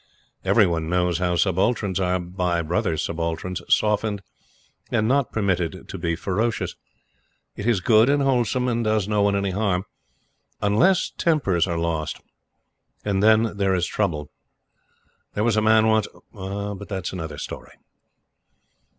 Every one knows how subalterns are, by brother subalterns, softened and not permitted to be ferocious. It is good and wholesome, and does no one any harm, unless tempers are lost; and then there is trouble. There was a man once but that is another story.